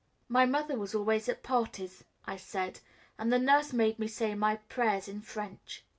"My mother was always at parties," I said; "and the nurse made me say my prayers in French."